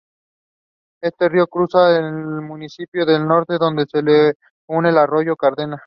Este río cruza el municipio al norte, donde se le une el arroyo Cardeña.